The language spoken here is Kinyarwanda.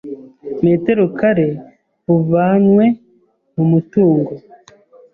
metero kare buvanywe mu mutungo